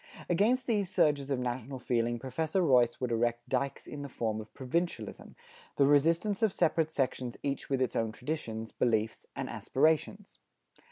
Against these surges of national feeling Professor Royce would erect dikes in the form of provincialism, the resistance of separate sections each with its own traditions, beliefs and aspirations.